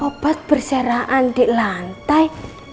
obat berserahan di lantai